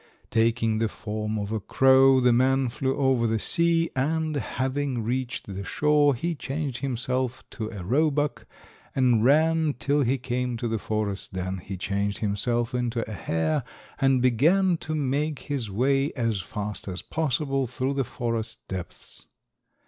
Taking the form of a crow, the man flew over the sea, and, having reached the shore, he changed himself to a roebuck, and ran till he came to the forest. Then he changed himself into a hare, and began to make his way as fast as possible through the forest depths.